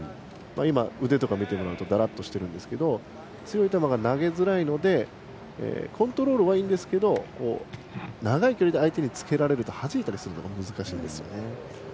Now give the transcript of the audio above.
腕を見ても分かると思いますがだらっとしているんですけど強い球が投げづらいのでコントロールはいいんですけど長い距離で相手につけられるとはじいたりするのが難しいですね。